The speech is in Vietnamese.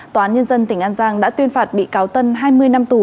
tòa án nhân dân tỉnh an giang đã tuyên phạt bị cáo tân hai mươi năm tù